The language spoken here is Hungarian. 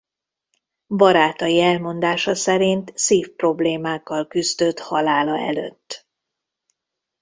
Barátai elmondása szerint szívproblémákkal küzdött halála előtt.